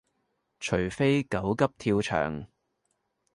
除非狗急跳墻